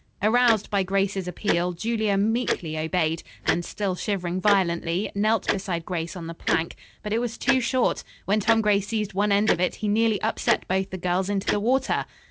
Aroused by Grace's appeal, Julia meekly obeyed, and, still shivering violently, knelt beside Grace on the plank. But it was too short; when Tom Gray seized one end of it he nearly upset both the girls into the water.